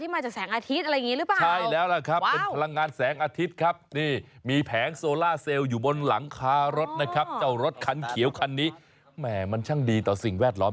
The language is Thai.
มันเป็นไฟฟ้าที่มาจากแสงอาทิตย์อะไรอย่างนี้หรือเปล่า